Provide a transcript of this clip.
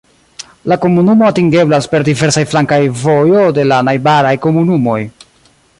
La komunumo atingeblas per diversaj flankaj vojo de la najbaraj komunumoj.